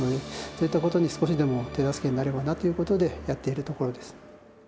そういったことに少しでも手助けになればなということでやっているところです。